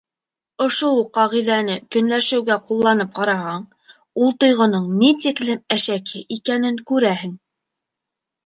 Ошо уҡ ҡағиҙәне көнләшеүгә ҡулланып ҡараһаң, ул тойғоноң ни тиклем әшәке икәнен күрәһең.